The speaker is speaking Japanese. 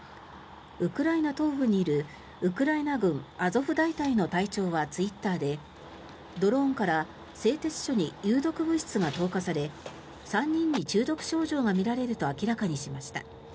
ウクライナ東部にいるウクライナ軍アゾフ大隊の隊長はツイッターでドローンから製鉄所に有毒物質が投下され３人に中毒症状が見られると明らかにしました。